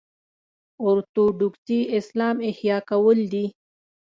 اورتوډوکسي اسلام احیا کول دي.